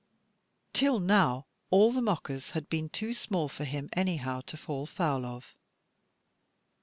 Till now all the mockers had been too small for him anyhow to fall foul of.